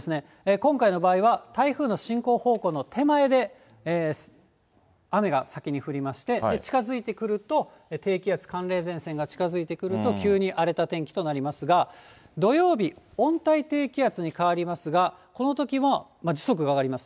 今回の場合は、台風の進行方向の手前で、雨が先に降りまして、近づいてくると低気圧、寒冷前線が近づいてくると、急に荒れた天気となりますが、土曜日、温帯低気圧に変わりますが、このときも時速が上がります。